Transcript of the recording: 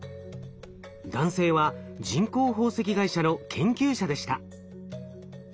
男性は人工宝石会社の研究者でした。